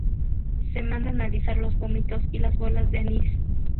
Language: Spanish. Se manda analizar los vómitos y las bolas de anís.